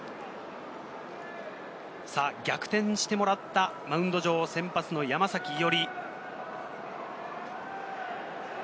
逆転してもらったマウンド上、先発の山崎伊織。